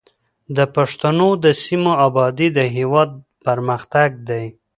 د پښتنو د سیمو ابادي د هېواد پرمختګ دی.